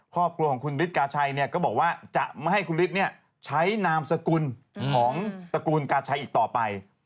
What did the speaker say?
ครอบครัวของคุณฤทธกาชัยก็บอกว่าจะไม่ให้คุณฤทธิ์ใช้นามสกุลของตระกูลกาชัยอีกต่อไป